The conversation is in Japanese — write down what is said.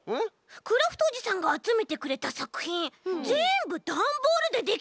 クラフトおじさんがあつめてくれたさくひんぜんぶダンボールでできてる。